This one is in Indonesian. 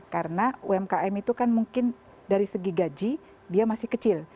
karena umkm itu kan mungkin dari segi gaji dia masih kecil